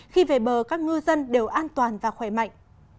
khi về bờ các ngư dân đều an toàn và khỏe mạnh